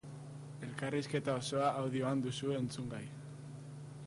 Elkarrizketa osoa audioan duzu entzungai.